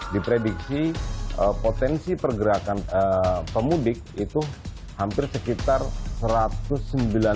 di prediksi potensi pergerakan pemudik itu hampir sekitar satu ratus sembilan puluh tiga enam juta